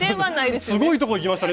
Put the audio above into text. すごいとこいきましたね